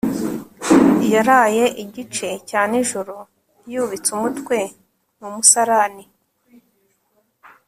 yaraye igice cya nijoro yubitse umutwe mu musarani